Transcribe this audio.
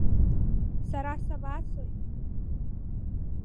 Сара сабацои?